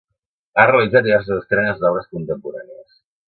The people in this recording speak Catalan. Ha realitzat diverses estrenes d'obres contemporànies.